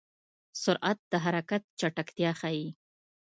سرعت د حرکت چټکتیا ښيي.